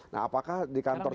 nah apakah di kantor